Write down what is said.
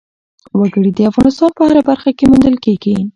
وګړي د افغانستان په هره برخه کې موندل کېږي.